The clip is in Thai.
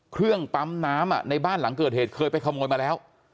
เครื่องปั๊มน้ำในบ้านหลังเกิดเหตุเคยไปขโมยมาแล้ว